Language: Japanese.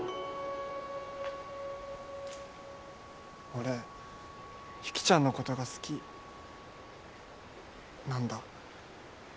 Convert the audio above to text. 俺雪ちゃんのことが好きなんだ。